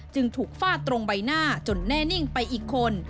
จึงถูกฟาดตรงใบหน้าจนแน่นิ่งไปอีกคน